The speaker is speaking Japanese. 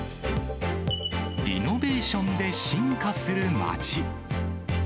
リノベーションで進化する街。